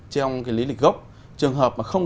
trong lý lịch gốc trường hợp mà không